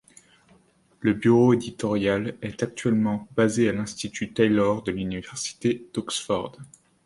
Le bureau éditoriale est actuellement basé à l'Institut Taylor de l'Université d'Oxford.